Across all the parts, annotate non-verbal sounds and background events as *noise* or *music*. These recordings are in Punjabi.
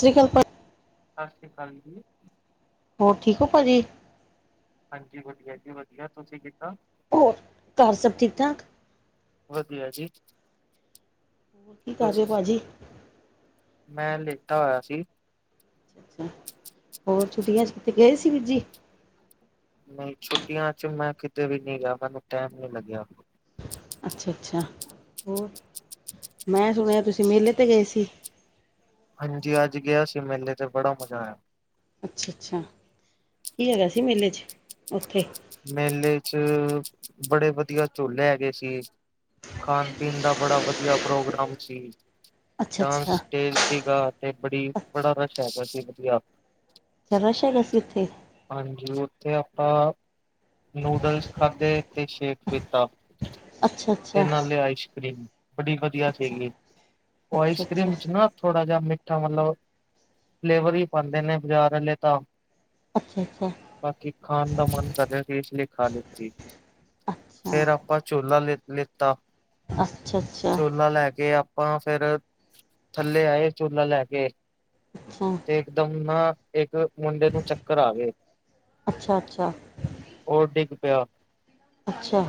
ਸ਼੍ਰੀਕਲਪਨਾ ਸਤਿ ਸ਼੍ਰੀ ਅਕਾਲ ਜੀ ਹੋਰ ਠੀਕ ਹੋ ਭਾਜੀ ਹਾਂਜੀ ਵਧੀਆ ਜੀ ਵਧੀਆ ਤੁਸੀਂ ਕਿਦਾ ਹੋਰ ਘਰ ਸਭ ਠੀਕ ਠਾਕ ਵਧੀਆ ਜੀ ਹੋਰ ਕੀ ਕਰ ਰਹੇ ਹੋ ਤੁਸੀਂ ਭਾਜੀ? ਮੈਂ ਲੇਤਾਂ ਹੋਇਆ ਸੀ ਅੱਛਾ ਅੱਛਾ ਹੋਰ ਛੁੱਟੀਆਂ 'ਚ ਕਿਤੇ ਗਏ ਸੀ ਵੀਰ ਜੀ। ਨਹੀਂ ਛੁੱਟੀਆਂ ਚ ਮੈਂ ਕਿਤੇ ਵੀ ਨਹੀਂ ਰਿਹਾ ਮੈਨੂੰ ਟਾਈਮ ਨ ਲੱਗਿਆ ਅੱਛਾ ਅੱਛਾ ਹੋਰ ਮੈਂ ਸੁਣਿਆ ਤੁਸੀਂ ਮੇਲੇ 'ਤੇ ਗਏ ਸੀ ਹਾਂਜੀ ਅੱਜ ਗਿਆ ਸੀ ਮੇਲੇ ਤੇ ਬੜਾ ਮਜ਼ਾ ਆਇਆ ਅੱਛਾ ਅੱਛਾ ਕੀ ਹੈਗਾ ਸੀ ਮੇਲੇ 'ਚ ਉੱਥੇ ਮੇਲੇ ਚ ਬੜੇ ਵਧੀਆ ਝੋਲੇ ਹੈਗੇ ਸੀ। ਖਾਣ ਪੀਣ ਦਾ ਬੜਾ ਵਧੀਆ ਪ੍ਰੋਗਰਾਮ ਸੀ। ਅੱਛਾ ਡਾਂਸ ਅੱਛਾ, ਸਟੇਜ ਸੀਗਾ ਅਤੇ ਬੜੀ ਬੜਾ ਰਸ਼ ਹੈਗਾ ਸੀ ਵਧੀਆ ਰਸ਼ ਹੈਗਾ ਸੀ ਉੱਥੇ ਹਾਂਜੀ ਉੱਥੇ ਆਪਾਂ ਨੂਡਲਸ ਖਾਧੇ ਤੇ ਸ਼ੇਕ ਪੀਤਾ ਅੱਛਾ ਤੇ ਅੱਛਾ, ਨਾਲੇ ਆਈਸ ਕਰੀਮ ਬੜੀ ਵਧੀਆ ਅੱਛਾ ਸੀਗੀ ਉਹ ਅੱਛਾ ਆਈਸ ਅੱਛਾ, ਕਰ੍ਰੀਮ ਚ ਨਾ ਥੋੜਾ ਜਿਹਾ ਮਿ ਮਤਲਬ ਫਲੇਵਰ ਹੀ ਪਾਉਂਦੇ ਨੇ ਬਾਜ਼ਾਰ ਵਾਲੇ ਤਾਂ ਅੱਛਾ ਅੱਛਾ ਬਾਕੀ ਖਾਣ ਦਾ ਮਨ ਕਰੇ ਚੀਜ਼ ਲਿਖਾ ਲਿੱਤੀ ਫਿਰ ਆਪਾਂ ਝੂਲਾ ਲ ਲਿੱਤਾ ਅੱਛਾ, ਅੱਛਾ ਅੱਛਾ ਜੁੱਲਾ ਲੈ ਕੇ ਆਪ ਆਪਾਂ ਫੇਰ ਥੱਲੇ ਆਏ ਜੁਲਾ ਲੈ ਕੇ ਅੱਛਾ ਇੱਕ ਦਮ ਨਾ ਇੱਕ ਮੁੰਡੇ ਨੂੰ ਚੱਕਰ ਆ ਗਏ, ਅੱਛਾ ਅੱਛਾ ਉਹ ਡਿੱਗ ਪਿਆ ਅੱਛਾ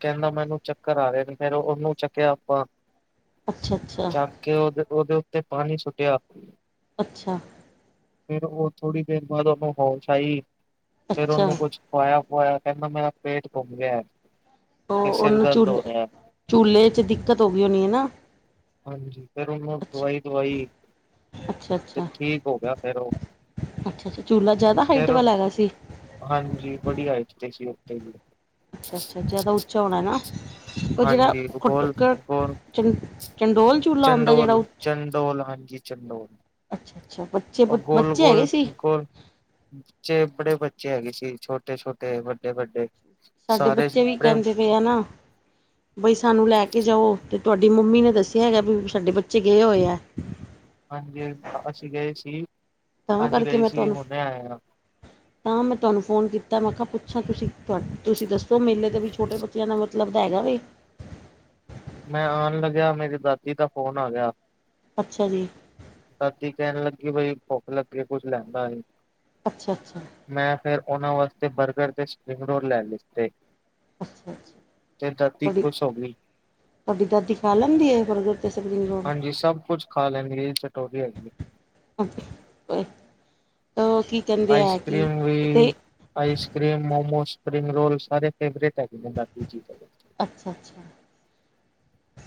ਕਹਿੰਦਾ ਮੈਨੂੰ ਚੱਕਰ ਆ ਰਿਹਾ ਨੇ ਫੇ ਉਹਨੂੰ ਚੱਕਿਆ ਆਪਾਂ ਅੱਛਾ-ਅੱਛਾ ਕਿ ਉਹਦੇ ਉਹਦੇ ਉੱਤੇ ਪਾਣੀ ਸੁੱਟਿਆ ਅੱਛਾ ਫਿਰ ਉਹ ਥੋੜ੍ਹੀ ਦੇਰ ਬਾਅਦ ਉਹਨੂੰ ਹੋਸ਼ ਆਈ ਫਿਰ ਅੱਛਾ ਉਹਨੂੰ ਕੁਛ ਖਵਾਇਆ ਹੋਇਆ ਕਹਿੰਦਾ ਮੇਰਾ ਪੇਟ ਘੁੰਮ ਗਿਆ ਉਹ ਤੇ ਸਿਰ ਉਹਨੂੰ ਦਰਦ ਹੋ ਝੂਲੇ ਰਿਹਾ ਝੂਲੇੇ 'ਚ ਦਿੱਕਤ ਹੋ ਗਈ ਹੋਣੀ ਹੈ ਨਾ ਹਾਂਜੀ ਫੇਰ ਉਹਨੂੰ ਦਵਾਈ ਦਵਾਈ ਅੱਛਾ-ਅੱਛਾ, ਅੱਛਾ ਅੱਛਾ ਝਉਲਾ ਜਿਆਦਾ ਹਾਈਟ ਫੇਰ ਵ ਲ ਹੈਗਾ ਸੀ ਹਾਂਜੀ ਵਧਿਆ *unintelligible* ਤੇ ਸੀ ਉੱਥੇ ਅੱਛਾ -ਅੱਛਾ ਜਿਆਦਾ ਉੱਚਾ ਹੋਣਾ ਨਾ। ਉਹ ਜਿਹੜਾ ਹਾਂਜੀ ਭੂਗੋਲ ਭੂਗੋਲ ਚੰ ਚੰਡੋਲ *inaudible* ਚੂਲਾ ਹੁੰਦਾ ਜਿਹੜਾ ਚੰਡੋਲ ਉੱਚ ਚੰਡੋਲ ਹਾਂਜੀ। ਚੰਡੋਲ ਅੱਛਾ ਅੱਛਾ ਬੱਚੇ ਉਹ ਗੋਲ ਬੱਚੇ ਹੈਗੇ ਗੋਲ ਸੀ ਗੋਲ ਬੱਚੇ ਬੜੇ ਬੱਚੇ ਹੈਗੇ ਸੀ ਛੋਟੇ ਛੋਟੇ, ਵੱਡੇ ਵੱਡੇ ਸਾਡੇ ਬੱਚੇ ਵੀ ਕਹਿੰਦੇ ਪਏ ਆ ਨਾ ਬਈ ਸਾਨੂੰ ਲੈ ਕੇ ਜਾਓ ਤੇ ਤੁਹਾਡੀ ਮੰਮੀ ਨੇ ਦੱਸਿਆ ਹੈਗਾ ਵੀ ਸਾਡੇ ਬੱਚੇ ਗਏ ਹੋਏ ਹੈ। ਹਾਂਜੀ ਅਸੀਂ ਗਏ ਸੀ ਤਾਂ ਅੱਜ ਕਰਕੇ ਗਏ ਮੈਂ ਸੀ ਤੁਹਾਨੂੰ ਹੁਣੇ ਆਏ ਹਾਂ, ਤਾਂ ਮੈਂ ਤੁਹਾਨੂੰ ਫੋਨ ਕੀਤਾ ਮੈਂ ਕਿਹਾ ਪੁੱਛਾਂ ਤੁਸੀਂ ਤੁਸੀਂ ਦੱਸੋ ਸੋ ਮੇਲੇ ਤਾਂ ਵੀ ਛੋਟੇ ਬੱਚਿਆਂ ਦਾ ਮਤਲਬ ਹੈਗਾ ਵੈ ਮੈਂ ਆਉਣ ਲੱਗਿਆ ਮੇਰੀ ਦਾਦੀ ਦਾ ਫ਼ੋਨ ਆ ਗਿਆ। ਅੱਛਾ ਜੀ। ਦਾਦੀ ਕਹਿਣ ਲੱਗੀ ਬਈ ਭੁੱਖ ਲੱਗੀ ਕੁਛ ਲੈਂਦਾ ਆਈ। ਅੱਛਾ- ਅੱਛਾ ਮੈਂ ਫਿਰ ਉਹਨਾਂ ਵਾਸਤੇ ਬਰਗਰ ਤੇ ਸਪਰਿੰਗ ਰੋਲ ਲੈ ਲੀਤੇ। ਅੱਛਾ ਅੱਛਾ ਤੇ ਦਾਦੀ ਤੁਹਾਡੀ ਖ਼ੁਸ਼ ਹੋ ਗਈ। ਤੁਹਾਡੀ ਦਾਦੀ ਖਾ ਲੈਂਦੀ ਹੈ ਬਰਗਰ *unintelligible* ਹਾਂਜੀ ਸਭ ਕੁੱਝ ਖਾ ਲੈਂਣ ਚਟੋਰੀ ਹੈਗੀ। ਉਹ ਕੀ ਕਹਿੰਦੇ ਆਈਸ ਆ ਕਿ ਕਰ੍ਰੀਮ ਵੀ ਅਤੇ ice cream momos spring roll ਸਾਰੇ ਫੇਵਰਟ ਹੈਗੇ ਨੇ ਦਾਦੀ ਜੀ ਦੇ ਅੱਛਾ- ਅੱਛਾ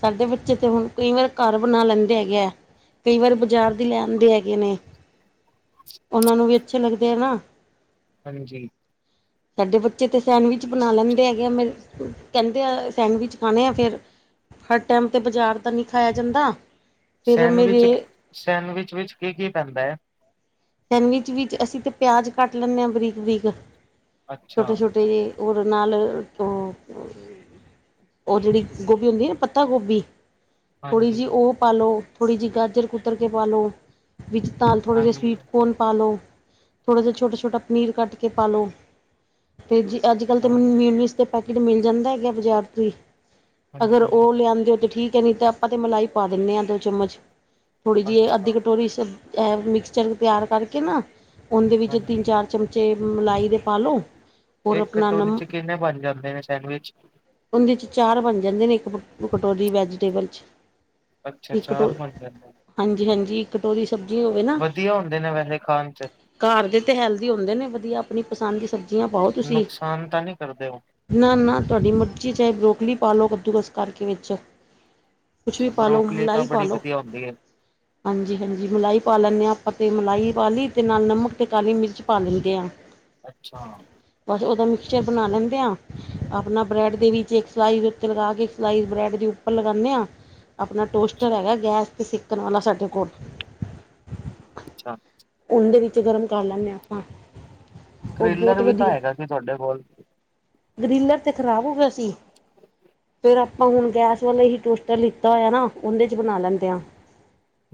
ਸਾਡੇ ਬੱਚੇ ਤੇ ਹੁਣ ਕਈ ਵਾਰ ਘਰ ਬਣਾ ਲੈਂਦੇ ਹੈਗੇ ਆ ਕਈ ਵਾਰ ਬਾਜ਼ਾਰ ਤੇ ਲਿਆਂਦੇ ਹੈਗੇ ਨੇ ਉਹਨਾਂ ਨੂੰ ਵੀ ਅੱਛੇ ਲੱਗਦੇ ਆ ਨਾ। ਹਾਂਜੀ ਹੂੰ ਸਾਡੇ ਬੱਚੇ ਤਾਂ ਸੈਂਡਵਿਚ ਬਣਾ ਲੈਂਦੇ ਹੈਗੇ ਆ ਮੇ ਕਹਿੰਦੇ ਆ ਸੈਂਡਵਿਚ ਖਾਣੇ ਆ ਫੇਰ ਹਰ ਟਾਈਮ ਤੇ ਬਾਜ਼ਾਰ ਤਾਂ ਨਹੀਂ ਖਾਇਆ ਜਾਂਦਾ। ਫਿਰ ਮੇਰੇ ਸੈਂਡਵਿਚ ਸੈਂਡਵਿਚ ਵਿਚ ਕੀ- ਕੀ ਪੈਂਦਾ। ਸੈਂਡਵਿਚ ਵਿੱਚ ਅਸੀਂ ਤਾਂ ਪਿਆਜ਼ ਕੱਟ ਲੈਂਣੇ ਹਾਂ ਬਰੀਕ- ਬਰੀਕ ਅੱਛਾ, ਛੋਟੇ -ਛੋਟੇ ਜਿਹੇ ਉਹ ਨਾਲ ਤੋਂ ਉਹ ਜਿਹੜੀ ਗੋਭੀ ਹੁੰਦੀ ਨਾ ਪੱਤਾ ਗੋਭੀ ਥੋੜੀ ਹਾਂਜੀ, ਜਿਹੀ ਉਹ ਪਾਲੋ ਥੋੜ੍ਹੀ ਜਿਹੀ ਗਾਜਰ ਕੁਤਰ ਕੇ ਪਾ ਲੋ ਵਿੱਚ ਤਾ ਨਾਲ ਥੋੜੇ ਜਿਹੇ ਹਾਂਜੀ, ਸਵੀਟ ਕੋਨ ਪਾਲੋ ਥੋੜਾ ਜਿਹਾ ਛੋਟਾ- ਛੋਟਾ ਪਨੀਰ ਕੱਟ ਕੇ ਪਾਲੋ। ਅਤੇ ਜੀ ਅੱਜ ਕੱਲ੍ਹ ਤਾਂ ਅੱਛਾ, ਮੈਨੂੰ ਮਿਊਨੀਸ ਦੇ ਪੈਕਟ ਮਿਲ ਜਾਂਦਾ ਹੈਗਾ ਬਜ਼ਾਰ ਤੋਂ ਹੀ ਅਗਰ ਹਾਂਜੀ, ਉਹ ਲਿਆਂਦਿਓ ਤਾਂ ਠੀਕ ਹੈ ਨਹੀਂ ਤਾਂ ਆਪਾਂ ਤਾਂ ਮਲਾਈ ਪਾ ਦਿੰਦੇ ਹਾਂ ਦੋ ਚਮਚ ਥੋੜੀ ਜਿਹੀ ਅੱਧੀ ਅੱਛਾ, ਕਟੋਰੀ ਸ ਇਹ ਮਿਕਸਚਰ ਤਿਆਰ ਕਰਕੇ ਨਾ ਉਹਦੇ ਵਿੱਚ ਤਿੰਨ ਹਾਂਜੀ। ਚਾਰ ਚਮ 'ਚ ਮਲਾਈ ਦੇ ਪਾਲੋ। ਇਹ ਕਟੋਰੀ 'ਚ ਕਿੰਨੇ ਬਣ ਜਾਂਦੇ ਨੇ ਸੈਂਡਵਿਚ ਉਹਦੇ 'ਚ ਚਾਰ ਬਣ ਜਾਂਦੇ ਨੇ ਇੱਕ ਕਟੋਰੀ ਵੈਜੀਟੇਬਲ 'ਚ ਅੱਛਾ ਇੱਕ ਚਾਰ ਕਟੋ ਬਣ ਜਾਂਦੇ ਨੇ। ਹਾਂਜੀ-ਹਾਂਜੀ ਇੱਕ ਕਟੋਰੀ ਸਬਜ਼ੀ ਹੋਵੇ ਨਾ। ਵਧੀਆ ਹੁੰਦੇ ਨੇ ਵੈਸੇ ਖਾਣ 'ਚ ਘਾਰ ਦੇ ਤੇ ਹੈਲਦੀ ਹੁੰਦੇ ਨੇ ਵਧੀਆ ਆਪਣੀ ਪਸੰਦ ਦੀ ਸਬਜ਼ੀਆਂ ਪਾਓ ਤੁਸੀਂ ਨੁਕਸਾਨ ਤਾਂ ਨੀ ਕਰਦੇ ਉਹ? ਨਾ- ਨਾ ਤੁਹਾਡੀ ਮਰਜ਼ੀ ਚਾਹੇ ਬਰੋਕਲੀ ਪਾ ਲਓ ਕੱਦੂਕਸ ਕਰਕੇ ਵਿਚ ਕੁਛ ਵੀ ਅੱਛਾ, ਪਾਲੋ ਬਰੋਕਲੀ ਤਾਂ ਮਲਾਈ ਪਾ ਬੜੀ ਲੋ ਵਧੀਆ ਹੁੰਦੀ ਏ। ਹਾਂਜੀ -ਹਾਂਜੀ ਮਲਾਈ ਪਾ ਲੈਂਦੇ ਹਾਂ ਆਪਾਂ ਤੇ ਮਲਾਈ ਪਾ ਲਈ ਤੇ ਨਾਲ ਨਮਕ ਤੇ ਕਾਲੀ ਮਿਰਚ ਪਾ ਲੈਂਣੇ ਆਂ। ਅੱਛਾ ਬਸ ਉਹਦਾ ਮਿਕਕਸਚਰ ਬਣਾ ਲੈਂਦੇ ਆਂ। ਆਪਣਾ ਬ੍ਰੈਡ ਦੇ ਵਿੱਚ ਇੱਕ ਸਲਾਈਸ ਉੱਤੇ ਲਗਾ ਕੇ ਸਲਾਈਸ ਬ੍ਰੈਡ ਦੇ ਉੱਪਰ ਲਗਾਂਣੇ ਹਾਂ। ਆਪਣਾ ਟੋਸਟਰ ਅੱਛਾ, ਹੈਗਾ ਗੈਸ ਤੇ ਸਿੱਕਣ ਵਾਲਾ ਸਾਡੇ ਕੋਲ ਅੱਛਾ ਉਹਦੇ ਵਿੱਚ ਗਰਮ ਕਰ ਲੈਂਦੇ ਹ ਆਪਾਂ ਉਹ ਟ੍ਰੇਲਰ ਬਹੁਤ ਵੀ ਤਾਂ ਵਧੀਆ ਹੈਗਾ ਸੀ ਤੁਹਾਡੇ ਕੋਲ ਗ੍ਰੀਲਰ ਤੇ ਖ਼ਰਾਬ ਹੋ ਗਿਆ ਸੀ। ਫਿਰ ਆਪਾਂ ਹੁਣ ਗੈਸ ਵਾਲੇ ਹੀ ਟੋਸਟਰ ਲਿੱਤਾ ਹੋਇਆ ਨਾ ਉਹਦੇ 'ਚ ਬਣਾ ਲੈਂਦੇ ਹਾਂ।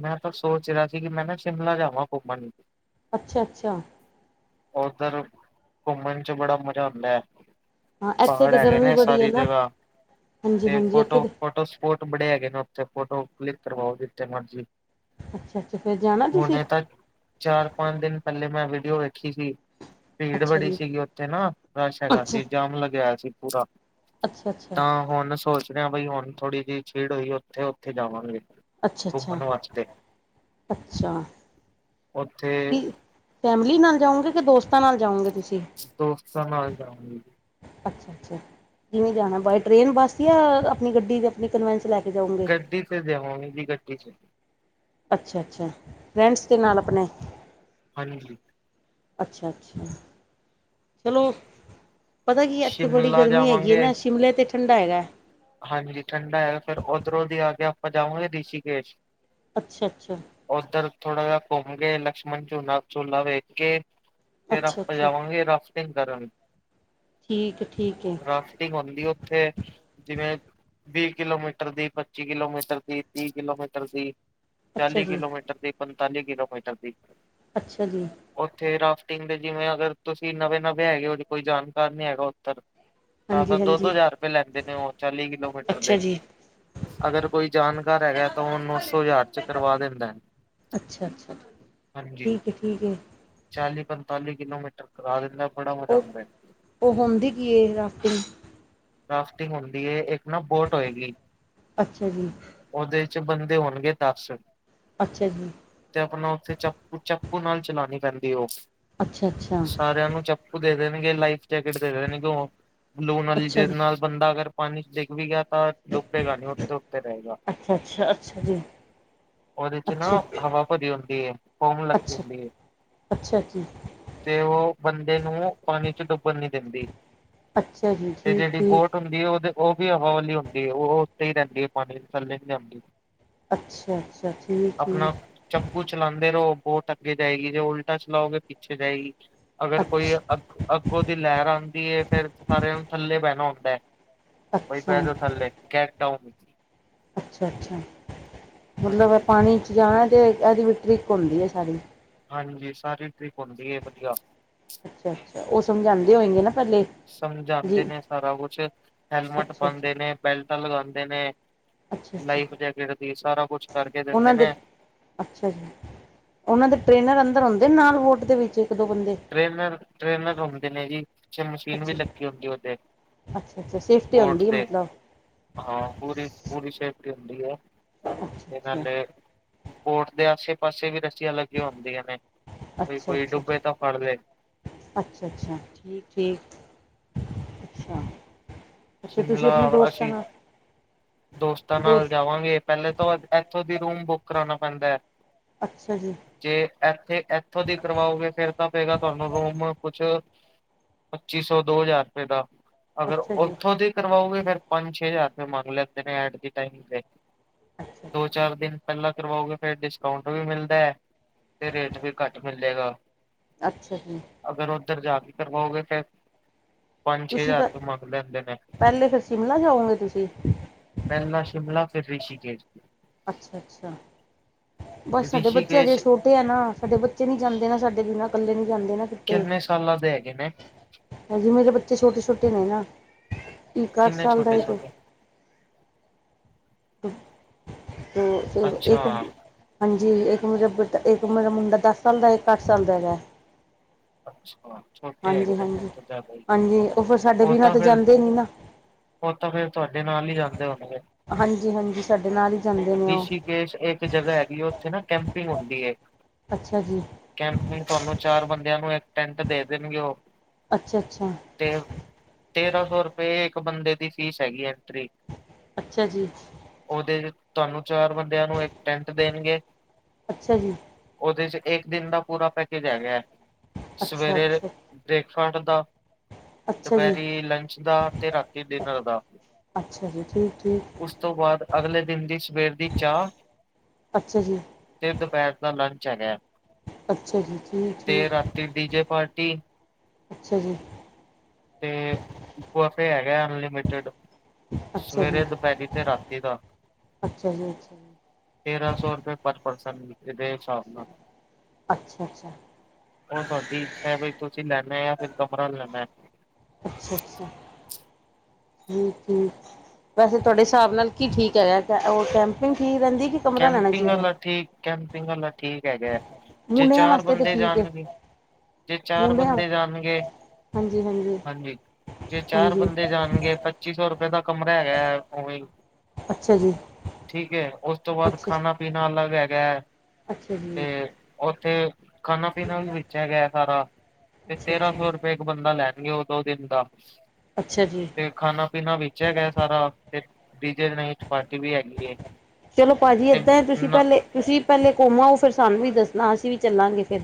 ਮੈਂ ਤਾਂ ਸੋਚ ਰਿਹਾ ਸੀ ਕਿ ਮੈਂ ਨਾ ਸ਼ਿਮਲਾ ਜਾਵਾਂ ਘੁੰਮਣ ਅੱਛਾ- ਅੱਛਾ ਓਧਰ ਘੁੰਮਣ 'ਚ ਬੜਾ ਮਜਾ ਆਂਦਾ। ਹਾਂ ਇੱਥੇ ਪਹਾੜ ਤੇ ਹੈਗੇ ਗਰਮੀ ਨੇ ਬੜੀ ਹੈ ਸਾਰੀ ਨਾ ਜਗ੍ਹਾ ਹਾਂਜੀ ਤੇ ਹਾਂਜੀ ਇੱਥੇ ਫੋਟੋ ਤੇ -ਫੋਟੋ ਫੋਰਟ ਬੜੇ ਹੈਗੇ ਨੇ ਉੱਥੇ ਫੋਟੋ ਕਲਿੱਕ ਕਰਵਾਓ ਜਿੱਥੇ ਮਰਜ਼ੀ ਅੱਛਾ ਅੱਛਾ ਫੇਰ ਜਾਣਾ ਤੁਸੀਂ ਹੁਣੇ ਤਾਂ ਚਾਰ ਪੰਜ ਦਿਨ ਪਹਿਲੇ ਮੈਂ ਵੀਡੀਓ ਵੇਖੀ ਸੀ ਭੀੜ ਅੱਛਾ ਬੜੀ ਜੀ ਸੀਗੀ ਉੱਥੇ ਨਾ ਰਸ਼ ਹੈਗਾ ਅੱਛਾ ਸੀ ਜਾਮ ਲਗਿਆ ਸੀ ਪੂਰਾ ਅੱਛਾ ਅੱਛਾ ਤਾਂ ਹੁਣ ਸੋਚਦੇ ਹ ਬਈ ਹੁਣ ਥੋੜ੍ਹੀ ਜਿਹੀ ਛੀੜ ਹੋਈ ਉੱਥੇ ਉੱਥੇ ਜਾਵਾਂਗੇ ਅੱਛਾ ਅੱਛਾ ਘੁੰਮਣ ਵਾਸਤੇ ਅੱਛਾ ਉੱਥੇ ਕੀ ਫੈਮਿਲੀ ਨਾਲ ਜਾਓਗੇ ਕਿ ਦੋਸਤਾਂ ਨਾਲ ਜਾਓਗੇ ਤੁਸੀਂ ਦੋਸਤਾਂ ਨਾਲ ਜਾਗੇ ਜੀ ਅੱਛਾ ਅੱਛਾ ਜਿਵੇਂ ਜਾਣਾ ਬਾਏ ਟ੍ਰਰੇਨ ਬੱਸ ਜਾਂ ਆਪਣੀ ਗੱਡੀ ਦੀ ਆਪਣੀ ਕਨਵੈਂਸ ਲੈ ਕੇ ਜਾਊਂਗੀ ਗੱਡੀ ਤੇ ਦੇਵਣੀ ਦੀ ਗੱਡੀ ਚ ਅੱਛਾ ਅੱਛਾ ਰੈਂਟਸ ਦੇ ਨਾਲ ਆਪਣੇ ਹਾਂਜੀ ਅੱਛਾ ਅੱਛਾ ਚਲੋ ਪਤਾ ਕੀ ਇੱਥੇ ਬੜੀ ਸ਼ਿਮਲਾ ਗਰਮੀ ਹੈਗੀ ਹੈ ਜਾਵਾਂਗੇ। ਨਾ ਸ਼ਿਮਲੇ 'ਤੇ ਠੰਡਾ ਹੈਗਾ ਹਾਂਜੀ ਠੰਡਾ ਹੈਗਾ ਫਿਰ ਉਓਧਰੋਂ ਦੀ ਆ ਕੇ ਆਪਾਂ ਜਾਵਾਂਗੇ ਰਿਸ਼ੀਕੇਸ਼ ਅੱਛਾ ਅੱਛਾ ਉੱਧਰ ਥੋੜਾ ਜਿਹਾ ਘੁੰਮ ਗ ਲਕਸ਼ਮਣ ਝੂਨਾ ਝੂਲਾ ਵੇਖ ਕੇ ਫਿਰ ਰ ਅੱਛਾ-ਅੱਛਾ ਜਾਵਾਂਗੇ ਰਫਟਿੰਗ ਕਰਨ ਠੀਕ ਠੀਕ ਏ ਰਾਸ ਹੁੰਦੀ ਉੱਥੇ ਜਿਵੇਂ ਵੀਹ ਕਿਲੋਮੀਟਰ ਦੀ ਪੱਚੀ ਕਿਲੋਮੀਟਰ ਦੀ ਤੀਹ ਕਿਲੋਮੀਟਰ ਦੀ ਅੱਛਾ ਚਾਲੀ ਜੀ ਕਿਲੋਮੀਟਰ ਦੀ ਪੰਤਾਲੀ ਕਿਲੋਮੀਟਰ ਦੀ ਅੱਛਾ ਜੀ ਉੱਥੇ ਰਾਫਟਿੰਗ ਦੇ ਜਿਵੇਂ ਅਗਰ ਤੁਸੀਂ ਨਵੇਂ ਨਵੇਂ ਹੈਗੇ ਹੋ ਕੋਈ ਜਾਣਕਾਰ ਨੀ ਹੈਗਾ ਉੱਤਰ ਤਾਂ ਫ ਦੋ ਦੋ ਹਾਂਜੀ-ਹਾਂਜੀ ਹਜ਼ਾਰ ਰੁਪਏ ਲੈਂਦੇ ਨੇ ਉਹ ਚਾਲੀ ਕਿਲੋਮੀਟਰ ਅੱਛਾ ਦੇ ਜੀ ਅਗਰ ਕੋਈ ਜਾਣਕਾਰ ਹੈਗਾ ਤਾਂ ਉਹ ਨੌ ਸੌ ਹਜ਼ਾਰ ਚ ਕਰਵਾ ਦਿੰਦਾ ਹੈ ਅੱਛਾ ਠੀਕ ਠੀਕ ਹੈ ਚਾਲੀ ਪੰਤਾਲੀ ਕਿਲੋਮੀਟਰ ਕਰਾ ਦਿੰਦਾ ਬੜਾ ਮਜ਼ਾ ਉਹ ਹੁੰਦਾ ਉਹ ਹੁੰਦੀ ਕੀ ਇਹ ਰਾਤਿੰ ਰਾਫਟਿੰਗ ਹੁੰਦੀ ਹੈ ਇੱਕ ਨਾ ਬੋਟ ਹੋਏਗੀ ਅੱਛਾ ਜੀ ਉਹਦੇ ਚ ਬੰਦੇ ਹੋਣਗੇ ਦਸ ਅੱਛਾ ਜੀ ਤੇ ਆਪਣਾ ਉੱਥੇ ਚਪੂ ਚਪੂ ਨਾਲ ਚਲਾਉਣੀ ਪੈਂਦੀ ਉਹ ਅੱਛਾ-ਅੱਛਾ ਸਾਰਿਆਂ ਨੂੰ ਚਪ ਦੇਦੇ ਨਗੇ ਲਾਈਫ ਜਾਕਟ ਦੇਦੇ ਨ ਬਲੂਨਲ ਅੱਛਾ ਜੀ ਨਾਲ ਬੰਦਾ ਅਗਰ ਪਾਣੀ ਚ ਡਿੱਗ ਵੀ ਗਿਆ ਤਾਂ ਡੁਬੇਗਾ ਨੀ ਉਤੇ ਉਕਤੇ ਰਹੇਗਾ ਅੱਛਾ-ਅੱਛਾ ਅੱਛਾ ਜੀ ਉਹਦੇ ਚ ਨਾ ਅੱਛਾ ਹਵਾ ਭਰੀ ਹੁੰਦੀ ਹੈ ਕੌਮ ਲੱਗੀ ਅੱਛਾ ਹੁੰਦੀ ਹੈ ਅੱਛਾ ਜੀ ਤੇ ਉਹ ਬੰਦੇ ਨੂੰ ਪਾਣੀ ਚ ਡੁੱਬਣ ਨੀ ਦਿੰਦੀ। ਅੱਛਾ ਜੀ। ਤੇ ਜਿਹੜੀ ਠੀਕ-ਠੀਕ ਬੋਟ ਹੁੰਦੀ ਹੈ ਉਹਦੇ ਉਹ ਵੀ ਹਵਾ ਵਾਲੀ ਹੁੰਦੀ ਹੈ ਉਹ ਉੱਤੇ ਹੀ ਰਹਿੰਦੀ ਹੈ ਪਾਣੀ ਦੇ ਥੱਲੇ ਨੀ ਆਦੀ। ਅੱਛਾ-ਅੱਛਾ ਠੀਕ-ਠੀਕ। ਚੱਕੂ ਚਲਾਉਂਦੇ ਰਹੋ ਬੋਟ ਅੱਗੇ ਜਾਏਗੀ ਜੇ ਉਲਟਾ ਚਲਾਓਗੇ ਪਿੱਛੇ ਜਾਏਗੀ ਅਗਰ ਕੋਈ ਅੱਛ ਅ ਅੱਗੋਂ ਦੀ ਲਹਿਰ ਆਉਂਦੀ ਫੇਿਰ ਸਾਰਿਆਂ ਨੂੰ ਥੱਲੇ ਪਹਿਣਾ ਹੁੰਂਦਾ ਹੈ ਬਈ ਅੱਛਾ ਬੈਦ ਥੱਲੇ ਗੈਕਡਾਊ ਅੱਛਾ ਅੱਛਾ ਮਤਲਬ ਹਾਂਜੀ ਪਾਣੀ 'ਚ ਜਾਣਾ ਤੇ ਇਹਦੀ ਵੀ ਟਰਕ ਹੁੰਦੀ ਹੈ ਸਾਰੀ ਹਾਂਜੀ ਸਾਰੀ ਟ੍ਰਿਪ ਹੁੰਦੀ ਵਧੀਆ ਅੱਛਾ ਅੱਛਾ ਉਹ ਸਮਝਾਉਂਦੇ ਹੋਏਗੇ ਨਾ ਪਹਿਲੇ ਜੀ ਸਮਝਾਉਂਦੇ ਨੇ ਸਾਰਾ ਕੁਛ ਹੈਲਮਟ ਅੱਛਾ ਅੱਛਾ ਪਾਉਂਦੇ ਨੇ ਬੈਲਟ ਲਗਾਉਂਦੇ ਨੇ ਅੱਛਾ ਅੱਛਾ ਲਾਈਫ ਜੈਕੇਟ ਦੀ ਸਾਰਾ ਕੁਛ ਕਰਕੇ ਉਹਨਾਂ ਦਿੰਦੇ ਦੇ ਨੇ ਅੱਛਾ ਜ ਉਹਨਾਂ ਦੇ ਟ੍ਰੇਨਰ ਅੰਦਰ ਆਉਦੇ ਨੇ ਨਾਲ ਵੋਟ ਦੇ ਵਿੱਚ ਇੱਕ ਦੋ ਬੰਦੇ ਟ੍ਰੇਨਰ ਟ੍ਰੇਨਰ ਹੁੰਦੇ ਨੇ ਜੀ ਪਛੇ ਮਸ਼ੀਨ ਵੀ ਅੱਛਾ ਲੱਗੀ ਹੁੰਦੀ ਉਹਦੇ ਅੱਛਾ ਅੱਛਾ ਸੇਫਟੀ ਹੋਠ ਹੁੰਦੀ ਹੈ ਦੇ ਮਤਲਬ ਹਾਂ ਪੂਰੀ ਪੂਰੀ ਸੇਫਟੀ ਹੁੰਦੀ ਹੈ ਅੱਛਾ ਤੇ ਅੱਛਾ ਨਾਲੇ ਬੋਟ ਦੇ ਪਾਸੇ ਵੀ ਰੱਸੀਆਂ ਲੱਗੀਆਂ ਹੁੰਦੀਆਂ ਨੇ ਕੋਈ-ਕੋਈ ਡੁੱਬੇ ਤਾਂ ਫੜ ਲ ਅੱਛਾ-ਅੱਛਾ ਠੀਕ-ਠੀਕ ਅੱਛਾ। ਅੱਛਾ ਤੁਸੀਂ ਸ਼ਿਮਲਾ ਆਪਣੇ ਦੋਸਤਾਂ ਅਸੀਂ ਨਾਲ ਦੋਸਤਾਂ ਨਾਲ ਦੋਸਤ ਜਾਵਾਂਗੇ। ਪਹਿਲੇ ਤੋਂ ਇੱਥੋਂ ਦੀ ਰੂਮ ਬੁੱਕ ਕਰਾਣਾ ਪੈਂਦਾ। ਅੱਛਾ ਜੀ। ਜੇ ਇਥੇ ਇੱਥੋਂ ਦੀ ਕਰਵਾਓਗੇ ਫੇਰ ਤਾਂ ਪਏਗਾ ਤੁਹਾਨੂੰ ਰੂਮ ਕੁਛ ਪੱਚੀ ਸੌ, ਦੋ ਹਜ਼ਾਰ ਰੁਪਏ ਦਾ। ਅਗਰ ਅੱਛਾ ਜੀ ਉੱਥੋਂ ਦੀ ਕਰਵਾਓਗੇ ਫਿਰ ਪੰਜ ਛੇ ਹਜ਼ਾਰ ਮੰਗ ਲੈਂਦੇ ਨੇ ਐਟ ਦੀ ਟਾਈਮ ਤੇ। ਅੱਛਾ ਦੋ ਅੱਛਾ ਚਾਰ ਦਿਨ ਪਹਿਲਾਂ ਕਰਵਾਓਗੇ ਫੇਰ ਡਿਸਕਾਊਂਟ ਵੀ ਮਿਲਦਾ ਹੈ ਤੇ ਰੇਟ ਵੀ ਘੱਟ ਮਿਲੇਗਾ। ਅੱਛਾ ਜੀ। ਅਗਰ ਉੱਧਰ ਜਾ ਕੇ ਕਰਵਾਓਗੇ ਫੇਰ ਪੰਜ ਛੇ ਤੁਸੀਂ ਹਜ਼ਾਰ ਪ ਰੁਪਏ ਮੰਗ ਲੈਂਦੇ ਨੇ। ਪਹਿਲੇ ਫਿਰ ਸ਼ਿਮਲਾ ਜਾਓਗੇ ਤੁਸੀ? ਪਹਿਲਾਾਂ ਸ਼ਿਮਲਾ ਫਿਰ ਰਿਸ਼ੀਕੇਸ਼। ਅੱਛਾ-ਅੱਛਾ ਬਸ ਸਾਡੇ ਬੱਚੇ ਅਜੇ ਰਿਸ਼ੀਕੇਸ਼ ਛੋ ਤੇ ਆ ਨਾ ਸਾਡੇ ਬੱਚੇ ਨੀ ਜਾਂਦੇ ਨਾ ਸਾਡੇ ਬਿਨਾਂ ਕੱਲੇ ਨੀ ਜਾਂਦੇ ਨਾ ਕਿਤੇ ਕਿੰਨੇ ਸਾਲਾਂ ਦੇ ਹੈਗੇ ਨੇ। ਹਜੇ ਮੇਰੇ ਬੱਚੇ ਛੋਟੇ-ਛੋਟੇ ਨੇ ਨਾ, ਇੱਕ ਅੱਠ ਕਿੰਨੇ ਸਾਲ ਦਾ ਛੋਟੇ ਇੱਕ ਛੋਟੇ *unintelligible* ਅੱਛਾ ਇੱਕ ਹਾਂਜੀ ਇੱਕ ਮੇਰਾ ਬੇ ਇੱਕ ਮੇਰਾ ਮੁੰਡਾ ਦਸ ਸਾਲ ਦਾ, ਇੱਕ ਅੱਠ ਸਾਲ ਦਾ ਹੈਗਾ। ਅੱਛਾ ਛੋਟੇ ਹੈਗੇ ਨੇ ਫਿਰ ਹਾਂਜੀ-ਹਾਂਜੀ, ਤੋਂ ਜ਼ਿਆਦਾ ਹੀ ਹਾਂਜੀ ਉਹ ਫਿਰ ਸਾਡੇ ਬੀਨਾ ਤਾਂ ਜਾਂਦੇ ਨੀ ਨਾ। ਉਹ ਤਾਂ ਫੇਰ ਤੁਹਾਡੇ ਨਾਲ ਹੀ ਜਾਂਦੇ ਹੋਣਗੇ। ਹਾਂਜੀ-ਹਾਂਜੀ ਸਾਡੇ ਨਾਲ ਹੀ ਜਾਂਦੇ ਨੇ ਉਹ ਰਿਸ਼ੀਕੇਸ਼ ਇੱਕ ਜਗ੍ਹਾ ਹੈਗੀ ਉੱਥੇ ਨਾ ਕੈਂਪਿੰਗ ਹੁੰਦੀ ਏ। ਅੱਛਾ ਜੀ ਕੈਂਪਿੰਗ ਤੁਹਾਨੂੰ ਚਾਰ ਬੰਦਿਆਂ ਨੂੰ ਇੱਕ ਟੈਂਟ ਦੇ ਦੇਣਗੇ ਉਹ। ਅੱਛਾ-ਅੱਛਾ ਤੇ ਤੇਰਾਂ ਸੌ ਰੁਪਏ ਇੱਕ ਬੰਦੇ ਦੀ ਫੀਸ ਹੈਗੀ ਐਂਟਰੀ। ਅੱਛਾ ਜੀ ਉਹਦੇ ਚ ਤੁਹਾਨੂੰ ਚਾਰ ਬੰਦਿਆਂ ਨੂੰ ਇੱਕ ਟੈਂਟ ਦੇਣਗੇ। ਅੱਛਾ ਜੀ ਉਹਦੇ ਚ ਇੱਕ ਦਿਨ ਦਾ ਪੂਰਾ ਪੈਕੇਜ ਹੈਗਾ। ਸਵੇਰੇ ਅੱਛਾ-ਅੱਛਾ ਬ੍ਰੇਕਫਾਸਟ ਦਾ। ਅੱਛਾ ਅੱਛਾ ਜੀ ਦੁਪਹਿਰੀ ਲੰਚ ਦਾ ਤੇ ਰਾਤੀ ਡਿਨਰ ਦਾ। ਅੱਛਾ ਜੀ ਠੀਕ-ਠੀਕ। ਉਸ ਤੋਂ ਬਾਅਦ ਅਗਲੇ ਦਿਨ ਦੀ ਸਵੇਰ ਦੀ ਚਾਹ ਅੱਛਾ ਜੀ ਤੇ ਦੁਪਹਿਰ ਦਾ ਲੰਚ ਹੈਗਾ ਅੱਛਾ ਜੀ ਤੇ ਠੀਕ-ਠੀਕ ਰਾਤੀ ਡੀਜੇ ਪਾਰਟੀ ਅੱਛਾ ਜੀ। ਤੇ ਬਫੇ ਹੈਗਾ ਅਨਲਿਮਟਡ। ਅੱਛਾ ਜੀ ਸਵੇਰੇ, ਦੁਪਹਿਰੀ ਤੇ ਰਾਤੀ ਦਾ। ਅੱਛਾ ਜੀ ਅੱਛਾ ਜੀ ਤੇਰਾਂ ਸੌ ਰੁਪਏ ਪਰ ਪਰਸਨ ਡੇਢ ਸੌ ਅੱਛਾ-ਅੱਛਾ ਉਹ ਤੁਹਾਡੀ ਇੱਛਾ ਬਈ ਤੁਸੀਂ ਲੈਣਾ ਜਾਂ ਫਿਰ ਕਮਰਾ ਲੈਣਾ। ਅੱਛਾ-ਅੱਛਾ ਠੀਕ-ਠੀਕ। ਵੈਸੇ ਤੁਹਾਡੇ ਹਿਸਾਬ ਨਾਲ ਕੀ ਠੀਕ ਹੈ ਰਿਹਾ ਕ ਉਹ ਕੈਂਪਿੰਗ ਠੀਕ ਰਹਿੰਦੀ ਕਿ ਕਮਰਾ ਲੈਣਾ ਕੈਂਪਿੰਗ ਚਾਹੀਦਾ ਵਾਲਾ ਠੀਕ ਕੈਂਪਿੰਗ ਵਾਲਾ ਠੀਕ ਹੈਗੇ। ਜੇ ਮੁੰਡਿਆਂ ਚਾਰ ਵਾਸਤੇ ਤਾਂ ਬੰਦੇ ਠੀਕ ਹੈ ਜਾਣਗੇ, ਜੇ ਚਾਰ ਮੁੰਡਿਆਂ ਬੰਦੇ ਜਾਣਗੇ ਹਾਂਜੀ ਹਾਂਜੀ ਜੇ ਚਾਰ ਹਾਂਜੀ ਬੰਦੇ ਜਾਣਗੇ ਪੱਚੀ ਸੌ ਰੁਪਏ ਦਾ ਕਮਰਾ ਹੈਗਾ ਹੈ। ਅੱਛਾ ਜੀ ਠੀਕ ਹੈ ਉਸ ਤੋਂ ਬਾਅਦ ਅੱਛਾ ਖਾਣਾ ਪੀਣਾ ਅਲੱਗ ਹੈਗਾ ਹੈ ਅੱਛਾ ਤੇ ਜੀ ਉੱਥੇ ਖਾਣਾ ਪੀਣਾ ਵੀ ਵੇਚਿਆ ਗਿਆ ਸਾਰਾ ਤੇ ਅੱਛਾ ਤੇਰਾਂ ਅੱਛਾ ਸੌ ਰੁਪਏ ਇੱਕ ਬੰਦਾ ਲੈਣਗੇ ਉਹ ਦੋ ਦਿਨ ਦਾ ਅੱਛਾ ਜੀ ਖਾਣਾ ਪੀਣਾ ਵਿੱਚ ਹੈਗਾ ਸਾਰਾ ਤੇ ਡੀਜੇ ਨਹੀਂ ਚਪਾਤੀ ਵੀ ਹੈਗੀ ਚਲੋ ਭਾਅਜੀ ਤੇ ਏਦਾਂ ਹੈ ਨਾ ਤੁਸੀਂ ਪਹਿਲੇ ਘੂਮ ਆਓ ਫਿਰ ਸਾਨੂੰ ਵੀ ਦੱਸਣਾ ਅਸੀਂ ਵੀ ਚੱਲਾਂਗੇ ਫਿਰ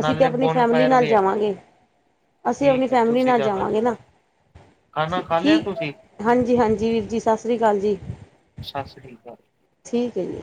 ਅਸੀਂ ਤੇ ਨਾਲੇ ਆਪਣੀ ਬੋਨ ਫੈਮਿਲੀ ਫਾਇਰ ਨਾਲ ਵੀ ਹੈਗੀ ਹੈ ਜਾਵਾਂਗੇ ਅਸੀਂ ਆਪਣੀ ਠੀਕ ਹੈ ਫੈਮਿਲੀ ਤੁਸੀਂ ਨਾਲ ਜਾਣਾ ਜਾਵਾਂਗੇ ਨਾ ਜ਼ਰੂਰ ਖਾਣਾ ਖਾ ਲਿਆ ਤੁਸੀਂ ਠੀਕ ਹਾਂਜੀ ਹਾਂਜੀ ਵੀਰ ਜੀ ਸਤਿ ਸ੍ਰੀ ਅਕਾਲ ਜੀ, ਸਤਿ ਸ਼੍ਰੀ ਅਕਾਲ ਠੀਕ ਹੈ ਜੀ